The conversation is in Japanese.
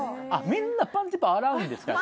みんなパンティパー洗うんですか？